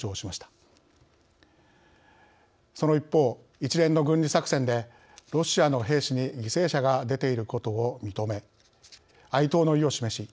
その一方一連の軍事作戦でロシアの兵士に犠牲者が出ていることを認め哀悼の意を示し